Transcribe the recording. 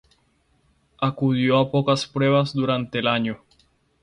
Acudió a pocas pruebas durante el año.